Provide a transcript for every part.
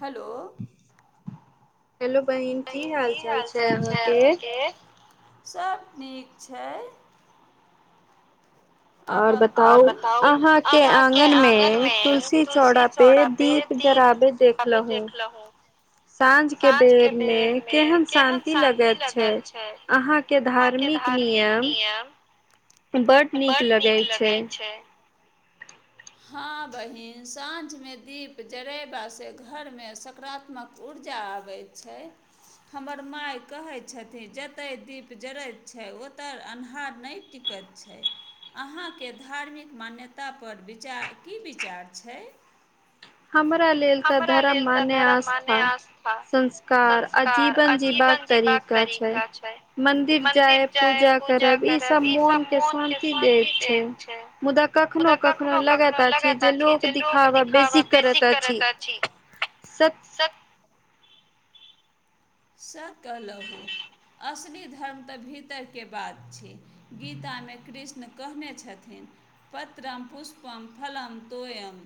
Hello बह की हाल चाल छै अहाँके सभ नीक छै आओर बताउ अहाँके आगन मे तुलसी चौड़ा पे दीप जराबे देख लहो साँझ के बेर मे केहन शान्ति लगैत छै अहा के धार्मिक धार्मिक नियम ब् नीक ल नीक लगै छै हाँ बहिन साँझमे दीप जरेबासँ घरमे सकारात्मक ऊर्जा आबै छै हमर माय कहैत छथिन जतय दीप जरैत छै ओतय अन्हार नहि टिकल कत छै अहाँके धार्मिक मान्यता परर विचार की विचार छै हमरा लेल तऽ धर्म मान्य आस्था संस्कार आ जीवन जीवात तरीका छै मंदिर जाय पूजा करब ई सब मोन के शान्ति दैत छै मुदा कखनो कखनो लगत आछी जे लोग दिखावा बेसी करत अछि क छी सत से कहलहु असली धर्म तऽ भीतरके बात छै गीता मे कृष्ण कहने छथिन पत्रम पुष्पम फलम तोयम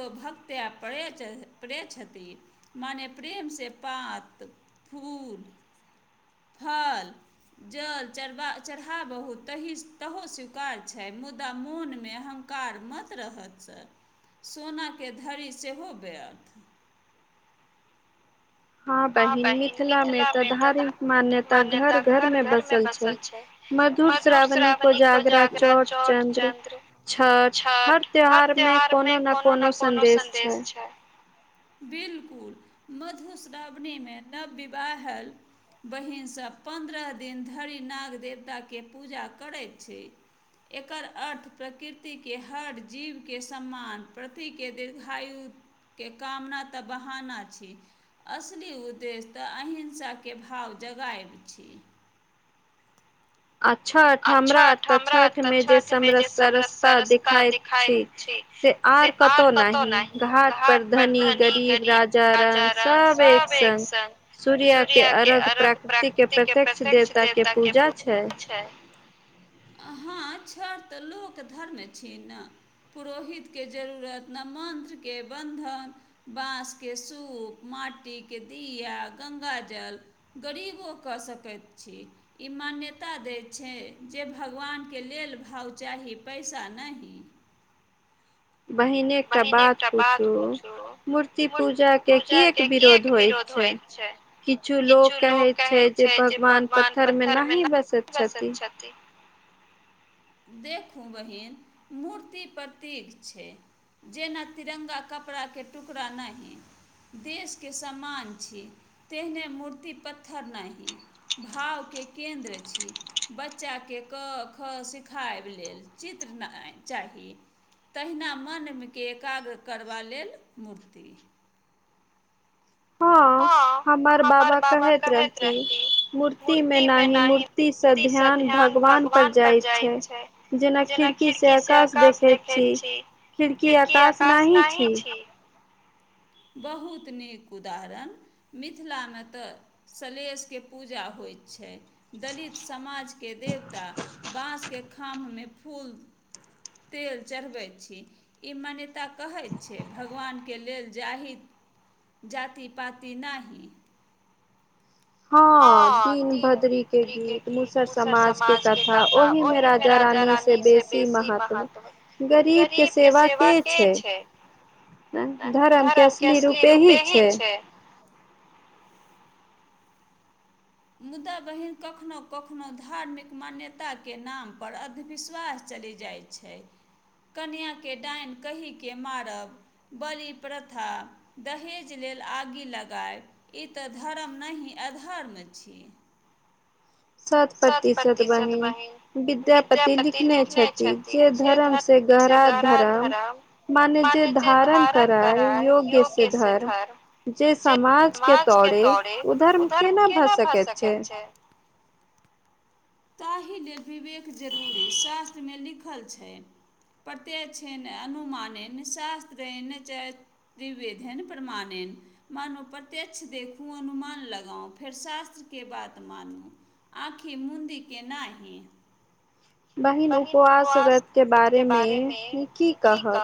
तो भक्ते पड़े छथि मने प्रेम से पात फूल फल जल चढ़बा चढ़ाबहु त तहो स्वीकार छैय मुदा मोनमे हम कार मत रहतसँ सोनाके धरि सेहो व्यर्थ हँ बहिन मिथिला मे तऽ धार्मिक मान्यता घर घर में बसल छै मधुर श्रावणी को जागरा चोट चन्द्र छठि हर त्यौहारमे कोनो ने कोनो सन्देश छै बिलकुल मधुश्रावणीमे नव विवाहल बहीनसभ पन्द्रह दिन धरि नाग देवताके पूजा करैत छै एकर अर्थ प्रकृतिके हर जीवके सम्मान प्रतिके दीर्घायु के कामना तऽ बहाना छी असली उद्देश्य तऽ अहिंसाके भाव जगाए पबै छी आ छठ हमरा तऽ छठ मे जे समर सरस्ता दिाइत छी से आर कतौ नहि घाट पर धनी गरीब राजा रंग सब सूर्य के अर्घ्य प्रकृति के प्रत्य्ष देवता के पू अच्छा हँ छठि तऽ लोक धर्म छी ने पुरोहितके जरूरत ने मन्त्रके बन्धन बाँसके सूप म माटी के दिया गंगाजल गरीबो कऽ सकैत छी ई मन नेता दे छैय जे भगवानके लेल भाव चाही पैसा नहि। बहिने एकटा बात पूछू मूर्ति पूजा के किएक विरोध हो होैत छैय। किछु लोक कहै छैय जे भगवान पत्थर मे नहि बसैत छथिन। देखू बहीन मूर्ति प्रतीक छैय। जेना तिरङ्गा कपड़ाके टुकड़ा नहि। देशके सम्मान छी तेहने मूर्ति पत्थर नहि भावके के केन्द्र छी बच्चाके क ख स सिखाय लेल चित्रना चाही। तहिना मनके एकाग्र करबा लेल मूर्ति। हँ हमर बाबा कहैत रहती मूर्ति मे नही मूर्ति से ध्यान भगवान पर जाइत छैय। जेना खिड़की से आकाश देखैत छी। खिड़की आकाश नहि छी। बहुत नीक उदाहर मिथिला मे त सलेस के पूजा होइ छैय दलित समाज के देवता बाँस के खाम्हमे फूल तेल चढ़बै छी ई मान्यता कहै छैय भगवानके लेल जाहि जाती पाती नहि। हँ दीन भद्री के गीत मुसर समाज के कथा ओहि में राजा रानी से बेसी महत्व गरीबके सेवा के छैय? धर्म के असली रूप एही छैय। मुदा बहिन कखनोँ कखनोँ धार्मिक मान्यताके नाम पर अन्धविश्वास चाह चलि जाइ छैय। कन्या के डाइन कहि के मारब बलि प्रथा दहेज ले आगि लगायब ई तऽ धर्म नहि अधर्म छी। सत प्रतिशत बहीन। विद्यापति लिखने छथि जे धर्म से गहरा धरम मने जे धारण कराय योग्य से धर्म जे समाजके तौड़े उधर्म केना भऽ सकैत छै [inaudible] ताहि लेल विवेक जरूरी शास्त्रमे लिखल छै प्रत्य्षनि अनुमानन शास्त्रेण च तिवेदन प्रमाणेन मन प्रत्यक्ष देखू अनुमान लगाऊ फेर शास्त्र के बात मानू आँखि मुदीके नाही। बहिन उपवास व्रत के बारेमे की की कहब?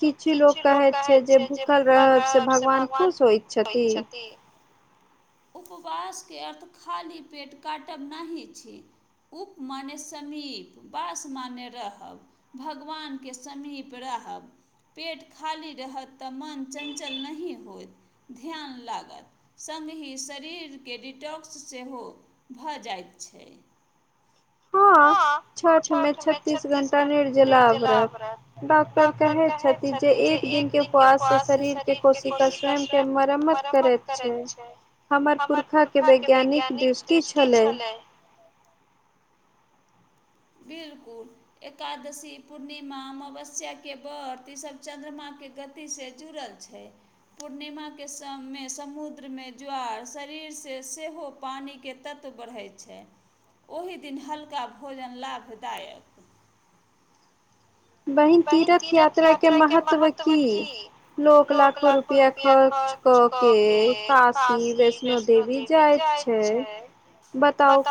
किछु लोक कहैत छैय जे भूखल रहब से भगवान खुश होइत छथि। उपवासके अर्थ खाली पेट काटब नहि छी। उप माने समीप। वास माने रहब भगवानके समीप रहब। पेट खाली रहत तऽ मोन चञ्चल नहि होयत। ध्यान लागत सङ्गहि शरीरके डिटॉक्स सेहो भऽ जायत। छैय हँ छठमे छत्तीस घंटा निर्जला ब्रत् डॉक्टर कहैत छथि जे एक दिन के उपवास से शरीर के कोशीका स्वयं के मरम्मत मरम्मत करैैत छैय। हमर पुरखाके वैज्ञानिक दृष्टि छलै। [inaudible] बिलकुल एकादशी पूर्णिमा अमावस्याक के व्रत ईसभ चन्द्रमा के गति से जुड़ल छै पूर्णिमा के समय समुद्रमे ज्वार शरीर से सेहो पानि के तत्व त बढ़ै छै ह दिन हल्का भोजन लाभदायक बहिन तीर्थ यात्रा के महत्व की लोक लाखो रुपैआ खर्च कऽ क काशी वैष्णो देेवी जाइत छै बताउ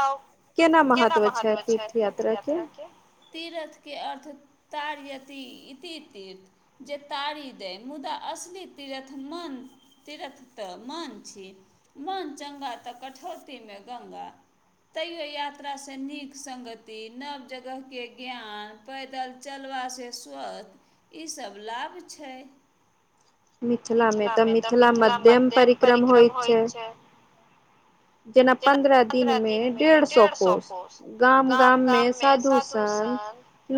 केना महत्व छै तीर्थ यात्रा के तीरथ के अर्थ तार इ तीर्थ जे तारी देय मुदा असली तीर्थ मन तीर्थ तऽ मान छी मान च्गा तऽ कठौतीमे गङ्गा तैयो यात्रासँ नीक सङगति नव जगहके ज्ञान पैदल चल चलबासँ स्वस्थ् ईसभ लाभ छै मिथिलामे तऽ मिथिला मध्यम परिक्रम होइ छै ह जेना पन्द्रह दिन मे डेढ़ सओ कोस गाम -गाममे साधु सन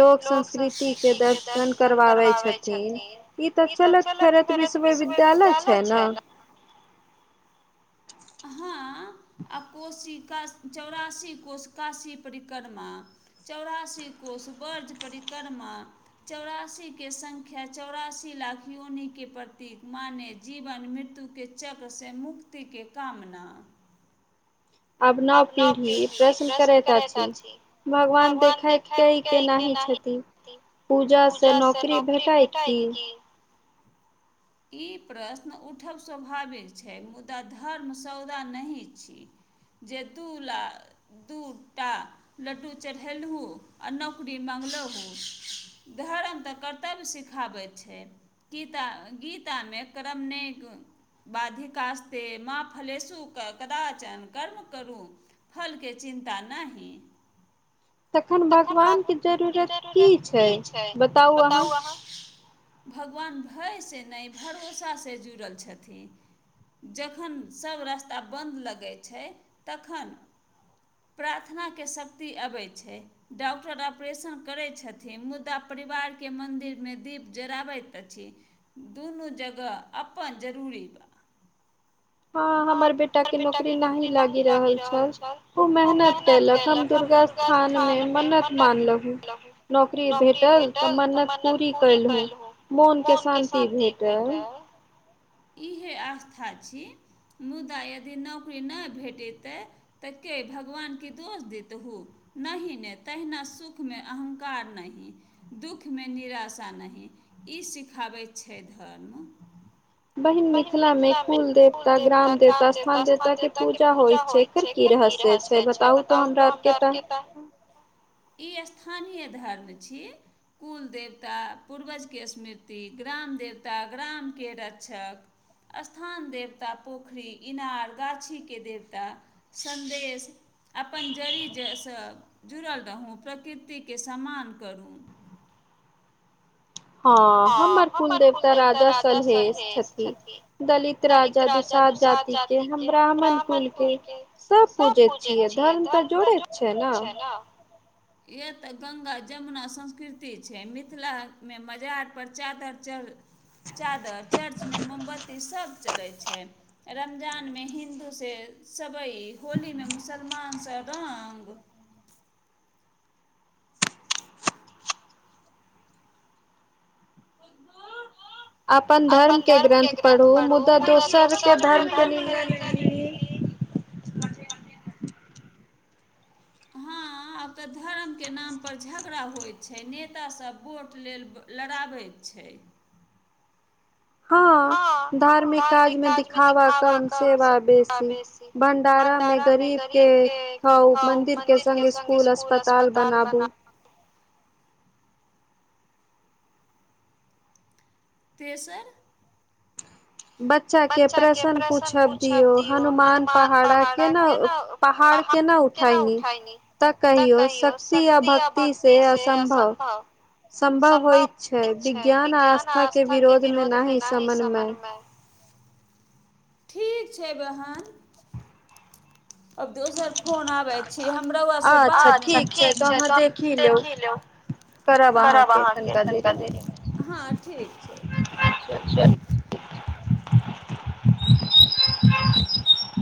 लोक संस्कृतिके दर्शन करवाबै छथिन ई तऽ चलत फेरत विश्ववयविद्यालय छै ने अहँ आ कोशी चौरासी कोश काशी परिक्रमा चौरासी कोश बर्ज परिक्रमा कर्मा चौरासी के संख्या चौरासी लाख योनि के प्रतीक माने जीवन मृत्यु के चक्र से मुक्तिके कामना आब नव पीढ़ी प्रश्न करैत अछि भगवान देखैत केइ केनाही छथिन पूजासँ नौकरी भेटायत की ई प्रश्न उठब स्वाभाविक छै मुदा धर्म सौदा नहि छी जे दू ला दू टा लड्डू चढ़ेलहुँ आ नौकरी माँगलहु रहु धरम तऽ कर्तव्य सिखाबैत छै गीता गीतामे क्रम नेग बाधिकास्ते मां फलेशु कदाचन् कर्म करू फलके चिन्ता नहि तखन भगवानके जरूरत की छै बताउ अहाँ भगवान भयसँ नहि भरोसासँ जुड़ल छथिन जखन सभ रास्ता बन्द लगै छै तखन प्रार्थनाके शक्ति अबैत छै डॉक्टर ऑपरेशन करैत छथिन मुदा प्र परिवार के मंन्दिर मे दीप जराबैत अछि दुनू जगह अपन जरूरी पीबा हँ हमर बेटाके नौकरी नाहि लागि रहल छल खूब मेहनत कयलक हम दुर्गा स्थानमे मन्नत मानलहुँ नौकरी भेटल तऽ मन्नत पूरी कयलहुँ मोनके शान्ति भेटल इहे आस्था छी मुदा यदि नौकरी नहि भेटयतै तऽ के भगवानके दोष देतहु नहि ने तहिना सुखमे अहंकार नहि दुःखमे निराशा नहि ई सिखाबै छै धर्म बहिन मिथिलामें कुल देवता, ग्राम देवता, स्थान देवता के पूजा होय छै एकर की रहस्य से छै बताउ तऽ हमरा आउर के तऽ ई स्थानीय धर्म छी कुल देवता पूर्वजके स्मृति ग्राम देवता ग्रामके र छ स्थान देवता पोखरि इनार गाछीके देवता सन्देश अपन जड़ी ज सँ जुड़ल रहू प्रकृतिकेँ सम्मान करू [inaudible] हँ हमर कुलदेवता राजा सलहेश छथि दलित राजा दु साध जाति के हम ब्राह्मण कुल के सब पूजैत छियै धर्म तऽ ज छै ने यए तऽ गंगा जमुना संस्कृति छै मिथिलामे मजार पर चादर चर् चादर चर्च मे मोमबत्ती सब चलैत छै रमजानमे हिन्दू से सबई होली मे मुसलमान सभ रंग [inaudible] अपन धर्म के ग्रन्थ पढू मुदा दोसरके धर्म के निंदा नहि पते नै [inaudible] आब तऽ धरमकेँ नाम पर झगड़ा होइत छै नेता सब वोट लेल लड़ाबैत छै [inaudible] हँ धार्मिक काजमे दिखावा कम सेवा बेसी भंडारा मे गरीब के खाउ मंन्दिर के संग स्कूल अस्पताल बनाबू [inaudible] तेसर बच्चा के प्रश्न पूछब दियौ हनुमान पहाड़ा के न पहा केना उठायनी तऽ कहियौ शक्ति आ भक्तिसे असम्भव सम्भव होइत छै विज्ञान आ आस्था के विरोधमे नाही समन्वय ठीक छै बहन अब दोसर फोन आबै छी हमर रौआ से बात ठीक छै त देख ले करब अहाँके तनिका देरीमे हँ ठीक छै चलू [inaudible] [inaudible] [unintelligible]